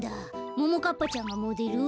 ももかっぱちゃんがモデル？